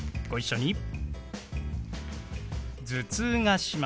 ご一緒に。